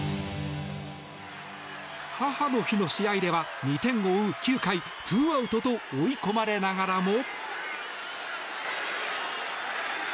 母の日の試合では２点を追う９回ツーアウトと追い込まれながらも。